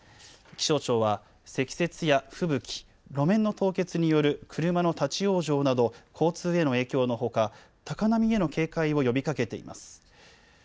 気象庁は積雪や吹雪、路面の凍結による車の立往生など交通への影響のほか高波への警戒を呼びかけています。